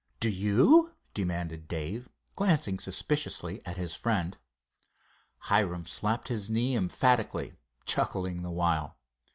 "Do you?" demanded Dave, glancing suspiciously at his friend. Hiram slapped his knee emphatically, chuckling the while.